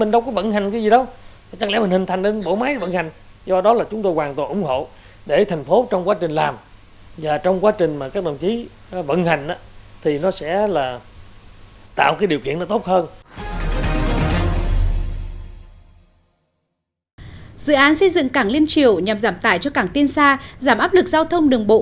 dự án xây dựng cảng liên triều nhằm giảm tải cho cảng tiên xa giảm áp lực giao thông đường bộ